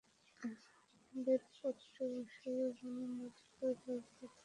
বেতপট্টির ব্যবসায়ীরা জানালেন, একটি করে দরজা অথবা অর্ধেক দরজা খুলেও ব্যবসা করা হয়েছে।